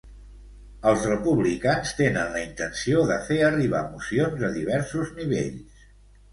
Els republicans tenen la intenció de fer arribar mocions a diversos nivells.